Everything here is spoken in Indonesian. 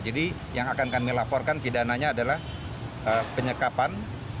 jadi yang akan kami laporkan pidananya adalah penyekapan